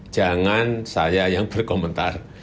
jangan saya yang berkomentar